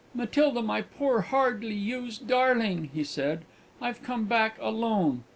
"Matilda, my poor, hardly used darling!" he said, "I've come back alone!